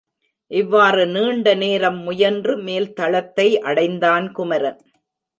இவ்வாறு நீண்ட நேரம் முயன்று மேல்தளத்தை அடைந்தான் குமரன்.